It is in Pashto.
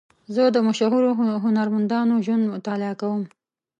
زه د مشهورو هنرمندانو ژوند مطالعه کوم.